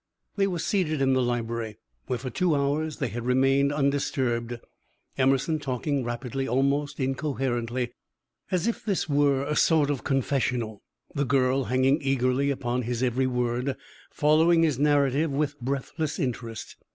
They were seated in the library, where for two hours they had remained undisturbed, Emerson talking rapidly, almost incoherently, as if this were a sort of confessional, the girl hanging eagerly upon his every word, following his narrative with breathless interest.